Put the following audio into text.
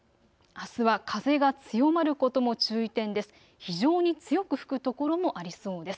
あすは風が強まることも注意点です。